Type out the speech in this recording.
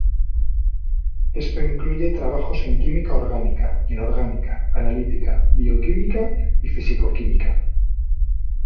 Esto incluye trabajos en química orgánica, inorgánica, analítica, bioquímica y fisicoquímica.